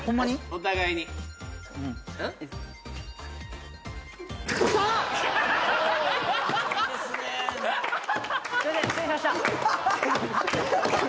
お互いにすいません失礼しました！